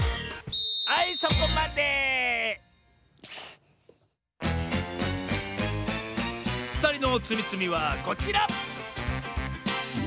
はいそこまでふたりのつみつみはこちら！